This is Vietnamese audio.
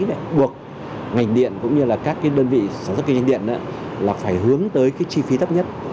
để buộc ngành điện cũng như là các cái đơn vị sản xuất kinh doanh điện là phải hướng tới cái chi phí thấp nhất